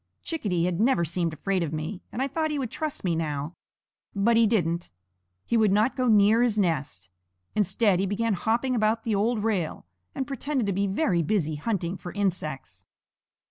Chickadee had never seemed afraid of me, and I thought he would trust me now. But he didn't. He would not go near his nest. Instead he began hopping about the old rail, and pretended to be very busy hunting for insects.